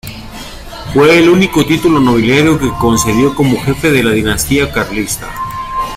Fue el único título nobiliario que concedió como jefe de la dinastía carlista.